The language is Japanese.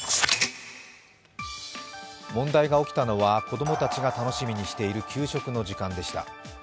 問題が起きたのは、子供たちが楽しみにしている給食の時間でした。